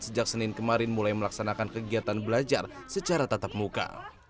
sejak senin kemarin mulai melaksanakan kegiatan belajar secara tatap muka